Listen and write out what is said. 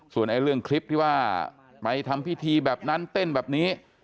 ส่วนเรื่องคลิปที่ว่าไปทำพิธีแบบนั้นเต้นแบบนี้